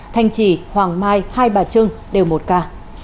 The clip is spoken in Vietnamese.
thanh trì hoàng mai hai bà trưng đều một ca